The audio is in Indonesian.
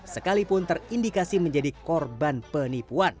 sekalipun terindikasi menjadi korban penipuan